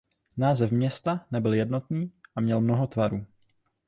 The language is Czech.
Název města nebyl jednotný a měl mnoho tvarů.